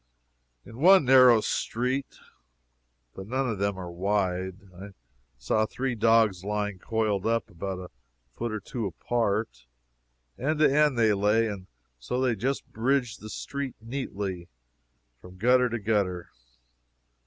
In one narrow street (but none of them are wide) I saw three dogs lying coiled up, about a foot or two apart. End to end they lay, and so they just bridged the street neatly, from gutter to gutter.